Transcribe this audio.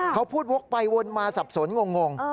เขาพูดวกไปวนมาสับสนงง